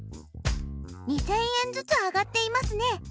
２０００円ずつ上がっていますね。